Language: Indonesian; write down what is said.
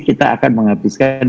kita harus mengeluarkan